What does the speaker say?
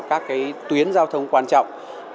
các tuyến giao thông quan trọng